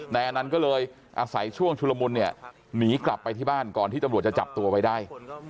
นายอนันต์ก็เลยอาศัยช่วงชุลมุนเนี่ยหนีกลับไปที่บ้านก่อนที่ตำรวจจะจับตัวไว้ได้